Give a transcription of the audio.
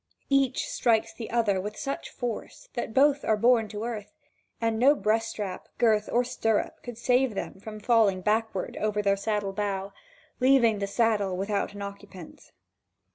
Each strikes the other with such force that both are borne to earth, and no breast strap, girth, or stirrup could save them from falling backward over their saddle bow, leaving the saddle without an occupant.